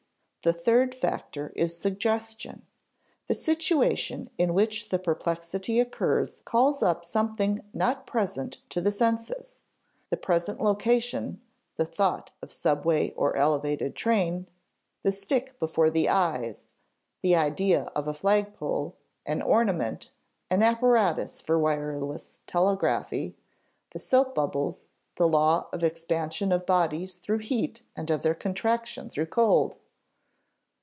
The third factor is suggestion. The situation in which the perplexity occurs calls up something not present to the senses: the present location, the thought of subway or elevated train; the stick before the eyes, the idea of a flagpole, an ornament, an apparatus for wireless telegraphy; the soap bubbles, the law of expansion of bodies through heat and of their contraction through cold.